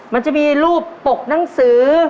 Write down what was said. มันจะมีรูปปกหนังสือ